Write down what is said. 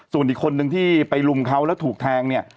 ส่วนอีกคนนึงที่ไปลุมเขาแล้วถูกแทงเนี่ย